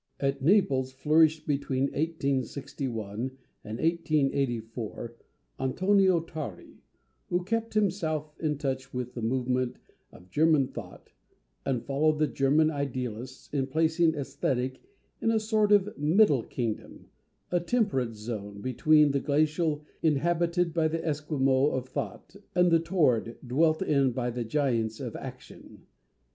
At Naples flourished between 1861 and 1884 Antonio Tari, who kept himself in touch with the movement of German thought, and followed the German idealists in placing Aesthetic in a sort of middle kingdom, a temperate zone, between the glacial, inhabited by the Esquimaux of thought, and the torrid, dwelt in by the giants of action.